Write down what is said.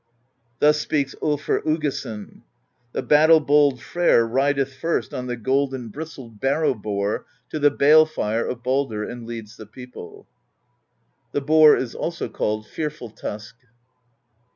Thus speaks Clfr Uggason: The battle bold Freyr rideth First on the golden bristled THE POESY OF SKALDS 113 Barrow boar to the bale fire Of Baldr, and leads the people. The boar is also called Fearful Tusk.